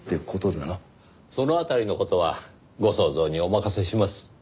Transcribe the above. その辺りの事はご想像にお任せします。